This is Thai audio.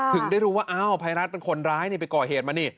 ถึงได้รู้ว่าอ้าวภัยรัฐเป็นคนร้ายนี่ไปก่อเหตุมานี่